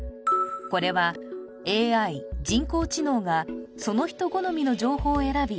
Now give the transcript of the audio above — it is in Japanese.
これはＡＩ人工知能がその人好みの情報を選び